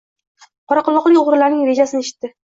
Qoraquroqlik o‘g‘rilarning rejasini eshitdi